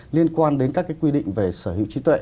liên quan đến các quy định về sở hữu trí tuệ